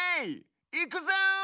いくぞ！